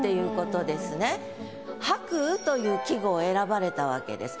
「白雨」という季語を選ばれたわけです。